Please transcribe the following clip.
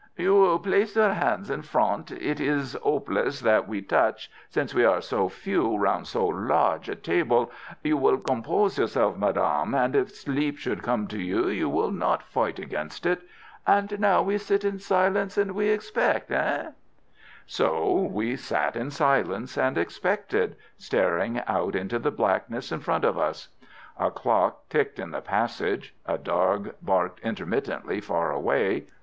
"You will place your hands in front. It is hopeless that we touch, since we are so few round so large a table. You will compose yourself, madame, and if sleep should come to you you will not fight against it. And now we sit in silence and we expect——hein?" So we sat in silence and expected, staring out into the blackness in front of us. A clock ticked in the passage. A dog barked intermittently far away.